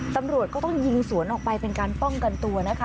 ตำรวจก็ต้องยิงสวนออกไปเป็นการป้องกันตัวนะคะ